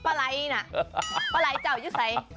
ปลายนะปลายเจ้ายุสัย